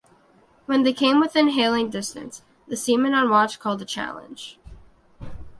When they came within hailing distance, the seaman on watch called a challenge.